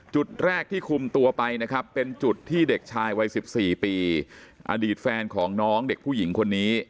จุดแรกที่คุมตัวไปนะครับเป็นจุดที่เด็กชายวัย๑๔ปีอดีตแฟนของน้องเด็กผู้หญิงคนนี้